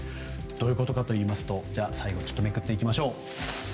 どういうことかといいますと最後めくっていきます。